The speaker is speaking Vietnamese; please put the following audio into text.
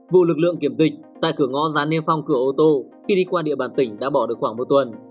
vụ lực lượng kiểm dịch tại cửa ngõ giá niêm phong cửa ô tô khi đi qua địa bàn tỉnh đã bỏ được khoảng một tuần